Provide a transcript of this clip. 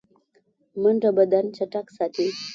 منډه بدن چټک ساتي